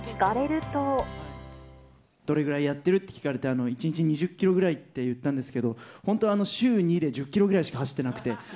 どれぐらいやってるって聞かれて、１日２０キロぐらいって言ったんですけど、本当は、週２で１０キロぐらいしか走ってなくて。